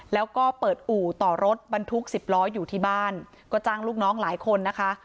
แล้วก็เปิดอู่ต่อรถบรรทุก๑๐ล้ออยู่ที่บ้านก็จ้างลูกน้องหลายคนนะคะ